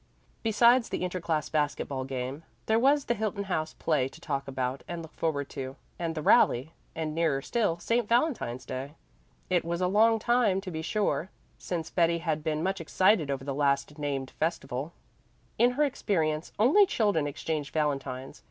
Besides the inter class basket ball game, there was the Hilton House play to talk about and look forward to, and the rally; and, nearer still, St. Valentine's day. It was a long time, to be sure, since Betty had been much excited over the last named festival; in her experience only children exchanged valentines.